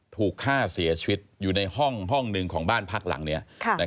ถูกฆ่าเสียชีวิตอยู่ในห้องหนึ่งของบ้านพักหลังนี้